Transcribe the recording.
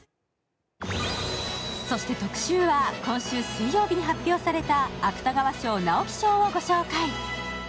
そして今週は、今週水曜日に発表された芥川賞直木賞をご紹介。